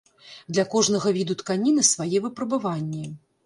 Для кожнага віду тканіны свае выпрабаванні.